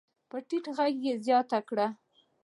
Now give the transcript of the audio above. په ټيټ غږ يې زياته کړه.